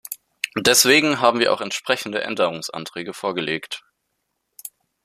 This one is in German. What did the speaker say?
Deswegen haben wir auch entsprechende Änderungsanträge vorgelegt.